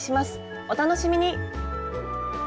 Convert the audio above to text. お楽しみに。